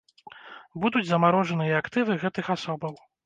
Будуць замарожаныя актывы гэтых асобаў.